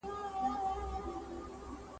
فلسطین په اور کي سوځي ..